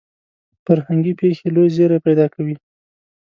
فرهنګي پېښې لوی زیری پیدا کوي.